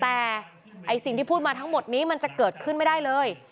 แต่สิ่งที่พูดมาทั้งหมดนี้มันจะเกิดขึ้นไม่ได้เลย